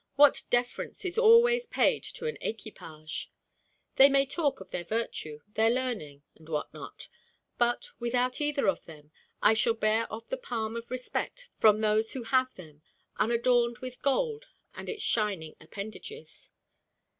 What deference is always paid to equipage! They may talk of their virtue, their learning, and what not; but, without either of them, I shall bear off the palm of respect from those who have them, unadorned with gold and its shining appendages.